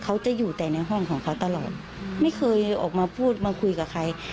เขาจะอยู่แต่ในห้องของเขาตลอดไม่เคยออกมาพูดมาคุยกับใคร